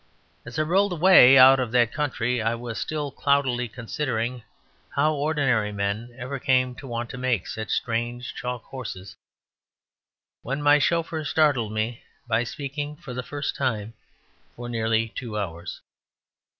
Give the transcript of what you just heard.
As I rolled away out of that country, I was still cloudily considering how ordinary men ever came to want to make such strange chalk horses, when my chauffeur startled me by speaking for the first time for nearly two hours.